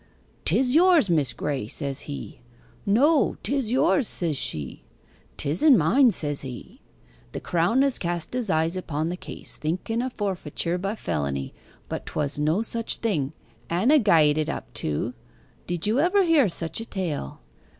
"'Tis yours, Miss Graye," says he. "No, 'tis yours," says she. "'Tis'n' mine," says he. The Crown had cast his eyes upon the case, thinken o' forfeiture by felony but 'twas no such thing, and 'a gied it up, too. Did you ever hear such a tale?